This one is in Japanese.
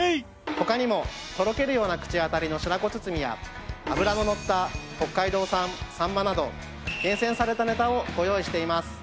他にもとろけるような口当たりの白子包みや脂ののった北海道産さんまなど厳選されたネタをご用意しています。